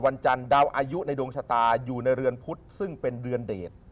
วันจันทร์ดาวอายุในดวงชะตาอยู่ในเรือนพุธซึ่งเป็นเรือนเดช